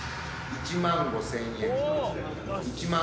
１万５，０００円。